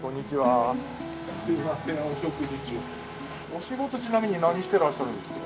お仕事ちなみに何してらっしゃるんですか？